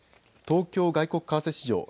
東京外国為替市場